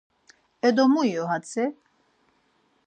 E do mu iqu atzi?